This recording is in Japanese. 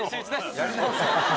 やり直せ。